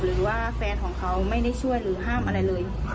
หรือว่าแฟนของเขาไม่ได้ช่วยหรือห้ามอะไรเลย